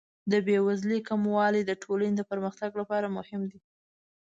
د بې وزلۍ کموالی د ټولنې د پرمختګ لپاره مهم دی.